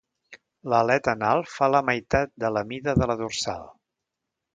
L'aleta anal fa la meitat de la mida de la dorsal.